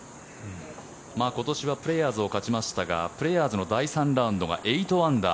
今年はプレーヤーズを勝ちましたがプレーヤーズの第３ラウンドが８アンダー